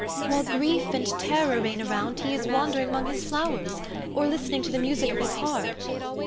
While grief and terror reign around, he is wandering 'mong his flowers, or listening to the music of his harp.